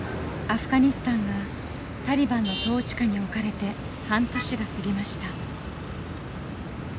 アフガニスタンがタリバンの統治下に置かれて半年が過ぎました。